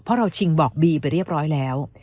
เพราะเราชิงบอกบีไปเรียบร้อยแล้ว